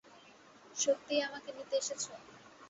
সত্যিই আমাকে নিতে এসেছো।